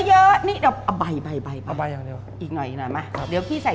เอามาเยอะนี่เอาใบ